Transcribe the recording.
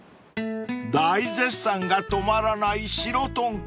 ［大絶賛が止まらない白とんかつ］